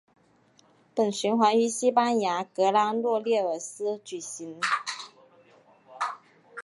本循环于西班牙格拉诺列尔斯举行。